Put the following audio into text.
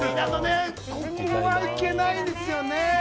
ここは行けないですよね。